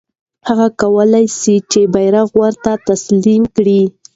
هغه کولای سوای چې بیرغ ورته تسلیم کړي.